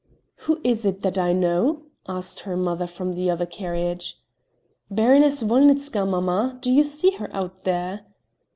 "Who is it that I know?" asked her mother from the other carriage. "Baroness Wolnitzka, mamma; do you see her out there?"